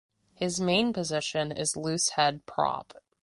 His main position is loosehead prop.